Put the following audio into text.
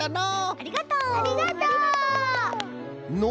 ありがとう！